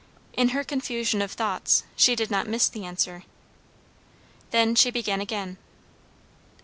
In her confusion of thoughts she did not miss the answer. Then she began again.